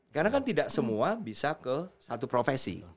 karena kan tidak semua bisa ke satu profesi